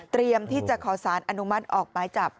เตรียมที่จะขอสารอนุมัติออกไปจับ